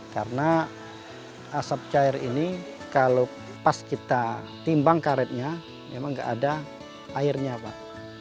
karena asap cair ini kalau pas kita timbang karetnya memang enggak ada airnya pak